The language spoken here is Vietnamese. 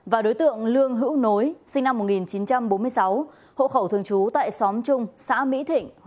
và đối tượng lương hữu nối sinh năm một nghìn chín trăm bốn mươi sáu hộ khẩu thường trú tại xóm trung xã mỹ thịnh